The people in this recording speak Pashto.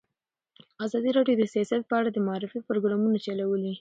ازادي راډیو د سیاست په اړه د معارفې پروګرامونه چلولي.